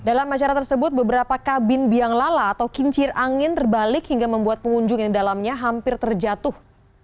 dalam acara tersebut beberapa kabin biang lala atau kincir angin terbalik hingga membuat pengunjung yang dalamnya hampir terjatuh